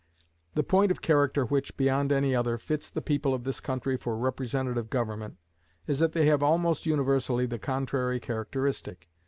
The point of character which, beyond any other, fits the people of this country for representative government, is that they have almost universally the contrary characteristic.